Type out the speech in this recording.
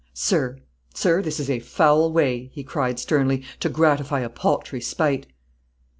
Sir, sir, this is a foul way," he cried, sternly, "to gratify a paltry spite."